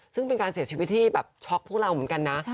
ซึ่งเป็นการเสียชีวิตที่แบบช็อกพวกเราเหมือนกันนะ